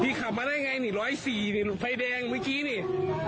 พี่ขับมาได้ยังไงร้อยสี่ไฟแดงวันนี้